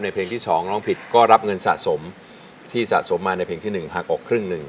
เพลงที่๒ร้องผิดก็รับเงินสะสมที่สะสมมาในเพลงที่๑หักออกครึ่งหนึ่ง